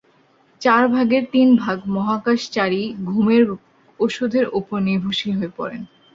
চার ভাগের তিন ভাগ মহাকাশচারীই ঘুমের ওষুধের ওপর নির্ভরশীল হয়ে পড়েন।